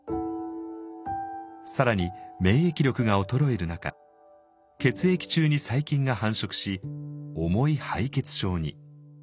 更に免疫力が衰える中血液中に細菌が繁殖し重い敗血症に。